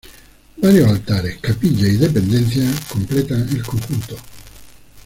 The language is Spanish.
Varios altares, capillas y dependencias completan el conjunto.